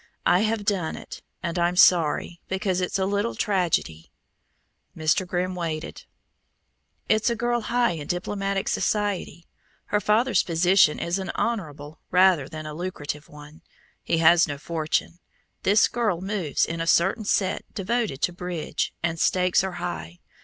I have done it, and I'm sorry, because it's a little tragedy." Mr. Grimm waited. "It's a girl high in diplomatic society. Her father's position is an honorable rather than a lucrative one; he has no fortune. This girl moves in a certain set devoted to bridge, and stakes are high.